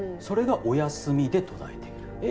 それが「おやすみ」で途絶えている。